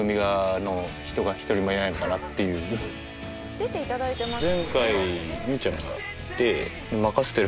［出ていただいてますよね？］